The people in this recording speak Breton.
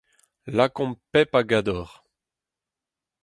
Lakomp pep a gador.